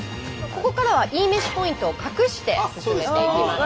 ここからはいいめしポイントを隠して進めていきます。